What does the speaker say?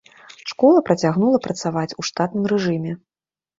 Школа працягнула працаваць у штатным рэжыме.